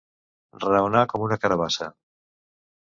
Raonar com una carabassa.